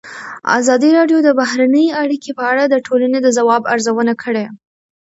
ازادي راډیو د بهرنۍ اړیکې په اړه د ټولنې د ځواب ارزونه کړې.